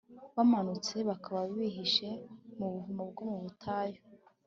bamanutse bakaba bihishe mu buvumo bwo mu butayu